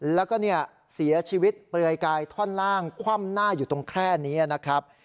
แล้วก็เสียชีวิตเปลือยกายท่อนล่างคว่ำหน้าอยู่ตรงแคร่นี้นะครับ